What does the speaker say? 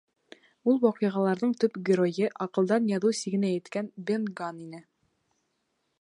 Ул ваҡиғаларҙың төп геройы аҡылдан яҙыу сигенә еткән Бен Ганн ине.